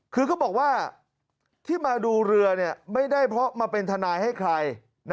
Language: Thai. คือเขาบอกว่าที่มาดูเรือไม่ได้เพราะมาเป็นทนายให้ใคร